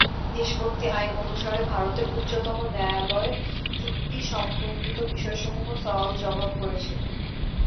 নিষ্পত্তি আইন অনুসারে ভারতের উচ্চতম ন্যায়ালয় চুক্তি সম্পর্কিত বিষয়সমূহ সওয়াল-জবাব করেছিলেন।